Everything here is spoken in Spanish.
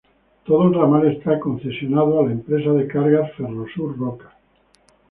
Todo el ramal está concesionado a la empresa de cargas Ferrosur Roca.